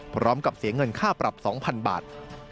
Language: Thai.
พร้อมกับเสียเงินค่าปรับ๒๐๐๐บาท